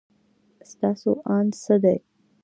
ستاسو اند څه دی؟